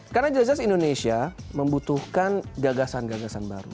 karena jelas jelas indonesia membutuhkan gagasan gagasan baru